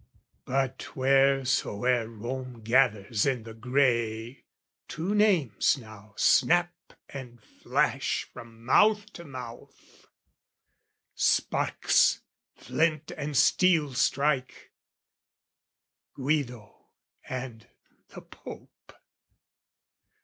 But wheresoe'er Rome gathers in the grey, Two names now snap and flash from mouth to mouth (Sparks, flint and steel strike) Guido and the Pope.